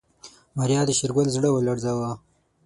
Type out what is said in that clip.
ماريا د شېرګل زړه ولړزاوه.